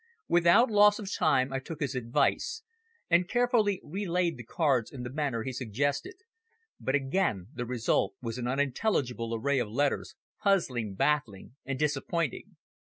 Without loss of time I took his advice, and carefully relaid the cards in the manner he suggested. But again the result was an unintelligible array of letters, puzzling, baffling and disappointing.